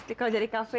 dekat dari kafe